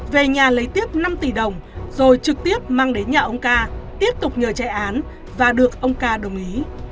về nhà lấy tiếp năm tỷ đồng rồi trực tiếp mang đến nhà ông ca tiếp tục nhờ chạy án và được ông ca đồng ý